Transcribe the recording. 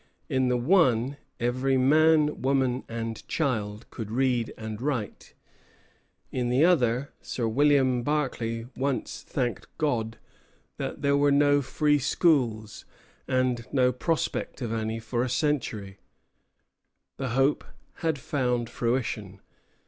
In the one, every man, woman, and child could read and write; in the other, Sir William Berkeley once thanked God that there were no free schools, and no prospect of any for a century. The hope had found fruition.